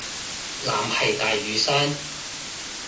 藍係大嶼山